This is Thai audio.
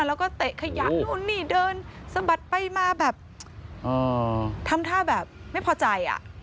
แล้วก็เตะขยะนู่นนี่เดินสะบัดไปมาแบบทำท่าแบบไม่พอใจอ่ะ